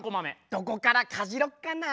どこからかじろっかな？